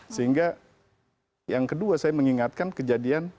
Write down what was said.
sehingga yang kedua saya mengingatkan kejadian